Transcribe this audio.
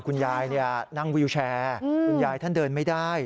คุณยายนั่งวิวแชร์คุณยายท่านเดินไม่ได้